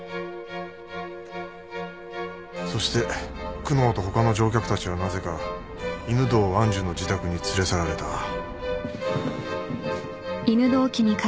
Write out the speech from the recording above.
そして久能と他の乗客たちはなぜか犬堂愛珠の自宅に連れ去られた。